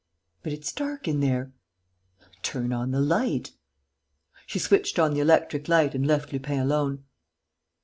"But it's dark in there." "Turn on the light." She switched on the electric light and left Lupin alone.